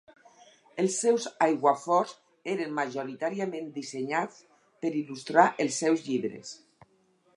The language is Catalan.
Els seus aiguaforts eren majoritàriament dissenyats per il·lustrar els seus llibres.